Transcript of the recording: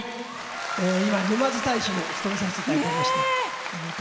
今、沼津大使を務めさせていただいておりまして。